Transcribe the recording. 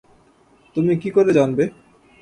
তুমি কী করে জানবে?